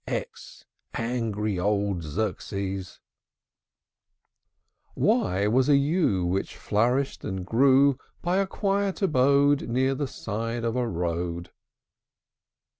x! Angry old Xerxes! Y Y was a yew, Which flourished and grew By a quiet abode Near the side of a road.